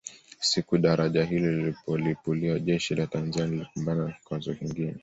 Siku daraja hilo lilipolipuliwa jeshi la Tanzania lilikumbana na kikwazo kingine